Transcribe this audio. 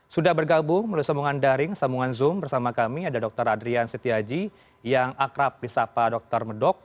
sudah bergabung melalui sambungan daring sambungan zoom bersama kami ada dr adrian setiaji yang akrab di sapa dr medok